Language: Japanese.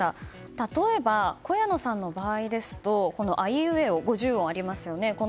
例えば、小谷野さんの場合ですがあいうえお、五十音ありますよね。